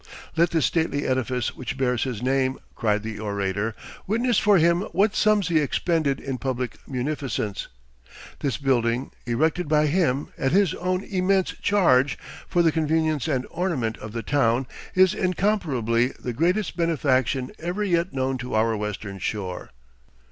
"Let this stately edifice which bears his name," cried the orator, "witness for him what sums he expended in public munificence. This building, erected by him, at his own immense charge, for the convenience and ornament of the town, is incomparably the greatest benefaction ever yet known to our western shore."